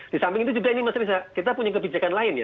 di samping itu juga ini mas riza kita punya kebijakan lain ya